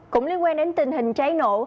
cũng liên quan đến tình hình cháy nổ